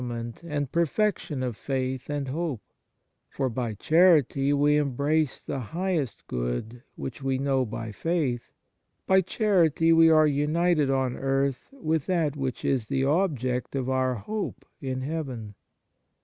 EFFECT AND FRUITS OF DIVINE GRACE and hope; for by charity we embrace the highest good which we know by faith, by charity we are united on earth with that which is the object of our hope in heaven.